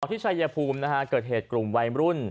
เธอยภูมินะครับเกิดเหตุกลุ่มวัยรุ่น